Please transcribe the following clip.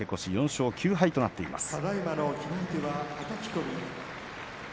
４勝９敗となっています。